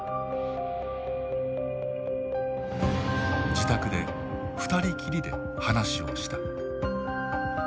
自宅で二人きりで話をした。